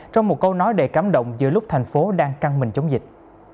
trong một câu nói đầy cảm động giữa lúc thành phố đang căng mình chống dịch